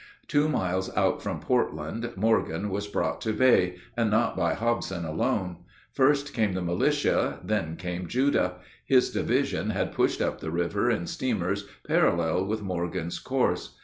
Two miles out from Portland, Morgan was brought to bay and not by Hobson alone. First came the militia, then came Judah. His division had pushed up the river in steamers parallel with Morgan's course.